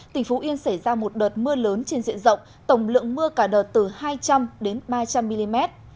tỉnh phú yên xảy ra một đợt mưa lớn trên diện rộng tổng lượng mưa cả đợt từ hai trăm linh đến ba trăm linh mm